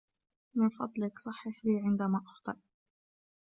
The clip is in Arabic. من فضلك, صحِح لي, عندما أُخطيء.